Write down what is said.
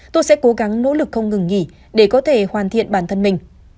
tôi sẽ cố gắng nỗ lực không ngừng nghỉ để có thể hoàn thiện bản thân mình